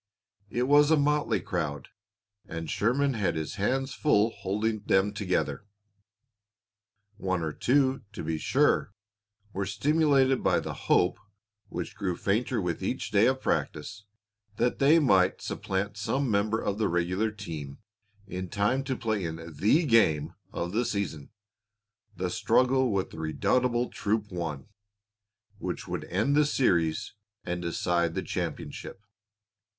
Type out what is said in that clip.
It was a motley crowd, and Sherman had his hands full holding them together. One or two, to be sure, were stimulated by the hope, which grew fainter with each day of practice, that they might supplant some member of the regular team in time to play in the game of the season, the struggle with the redoubtable Troop One, which would end the series and decide the championship.